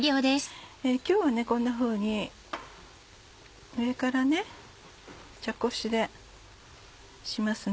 今日はこんなふうに上から茶こしでします。